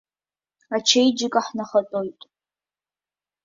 Ачеиџьыка ҳнахатәоит.